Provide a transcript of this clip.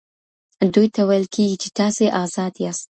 دوی ته ویل کیږي چي تاسې آزاد یاست.